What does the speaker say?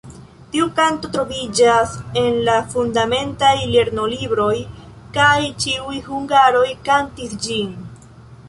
Tiu kanto troviĝas en la fundamentaj lernolibroj kaj ĉiuj hungaroj kantis ĝin.